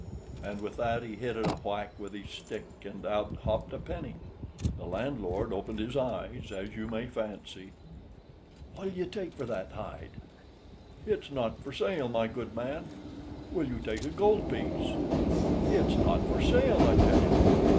And with that he hit it a whack with his stick, and out hopped a penny. The landlord opened his eyes, as you may fancy. "What'll you take for that hide?" "It's not for sale, my good man." "Will you take a gold piece?" "It's not for sale, I tell you.